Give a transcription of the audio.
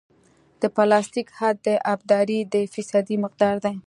د پلاستیک حد د ابدارۍ د فیصدي مقدار دی